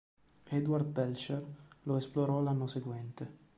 Edward Belcher lo esplorò l'anno seguente.